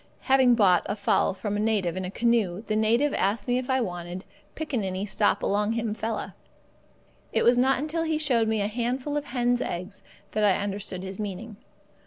Having bought a fowl from a native in a canoe, the native asked me if I wanted "Pickaninny stop along him fella." It was not until he showed me a handful of hen's eggs that I understood his meaning.